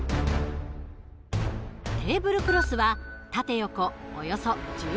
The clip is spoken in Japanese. テーブルクロスは縦横およそ１０ｍ。